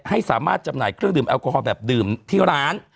ให้สามารถจำหน่ายเครื่องดื่มแอลกอฮอลแบบดื่มที่ร้าน